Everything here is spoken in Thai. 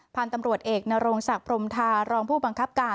พันธุ์ตำรวจเอกนโรงศักดิ์พรมทารองผู้บังคับการ